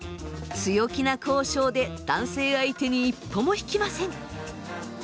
強気な交渉で男性相手に一歩も引きません。